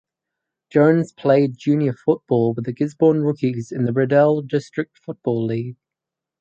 Jones played junior football with the Gisborne Rookies in the Riddell District Football League.